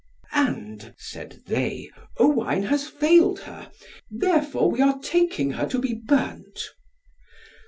"And," said they, "Owain has failed her, therefore we are taking her to be burnt."